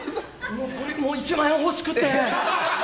１万円欲しくて。